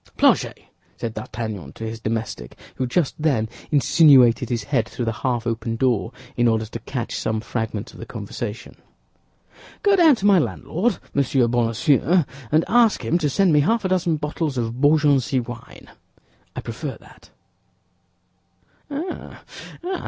"Planchet," said D'Artagnan to his domestic, who just then insinuated his head through the half open door in order to catch some fragments of the conversation, "go down to my landlord, Monsieur Bonacieux, and ask him to send me half a dozen bottles of Beaugency wine; I prefer that."